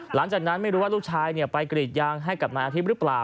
หลังจากนั้นไม่รู้ว่าลูกชายไปกรีดยางให้กับนายอาทิตย์หรือเปล่า